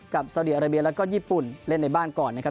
ซาดีอาราเบียแล้วก็ญี่ปุ่นเล่นในบ้านก่อนนะครับ